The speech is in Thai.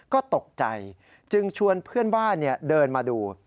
ก็ตกใจจึงชวนเพื่อนบ้านเดินมาดู